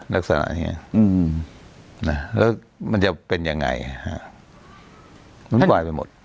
แล้วมันจะเป็นยังไงวุ่นวายไปหมด